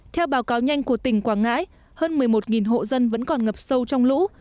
theo báo cáo nhanh của tỉnh quảng ngãi hơn một mươi một hộ dân vẫn còn ngập sâu trong lũ